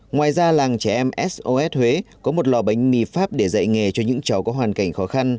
ngoài ra làng trẻ em sos huế có một lò bánh mì pháp để dạy nghề cho những cháu có hoàn cảnh khó khăn